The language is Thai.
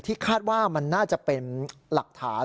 คาดว่ามันน่าจะเป็นหลักฐาน